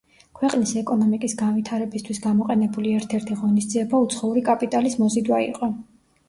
ქვეყნის ეკონომიკის განვითარებისთვის გამოყენებული ერთ-ერთი ღონისძიება უცხოური კაპიტალის მოზიდვა იყო.